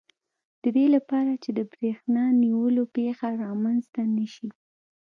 د دې لپاره چې د بریښنا نیولو پېښه رامنځته نه شي.